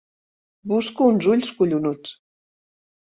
Busco uns ulls collonuts.